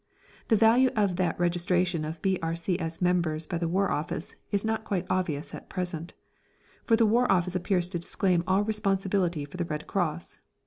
The value of that registration of B.R.C.S. members by the War Office is not quite obvious at present, for the War Office appears to disclaim all responsibility for the Red Cross.